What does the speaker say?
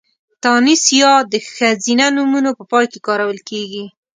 تانيث ۍ د ښځينه نومونو په پای کې کارول کېږي.